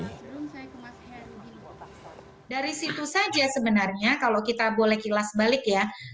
dari situ saja sebenarnya kalau kita boleh kilas balik ya